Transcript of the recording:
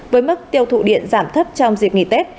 với mức tiêu thụ điện giảm thấp trong dịp nghỉ tết